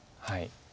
はい。